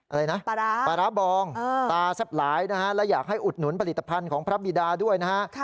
อะไรนะปลาร้าบองตาแซ่บหลายนะฮะและอยากให้อุดหนุนผลิตภัณฑ์ของพระบิดาด้วยนะฮะ